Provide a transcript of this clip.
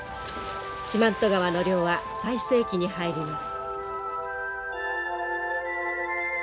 四万十川の漁は最盛期に入ります。